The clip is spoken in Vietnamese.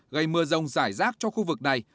gây mưa rông giải rác cho khu vực này